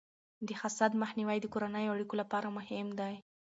د حسد مخنیوی د کورنیو اړیکو لپاره مهم دی.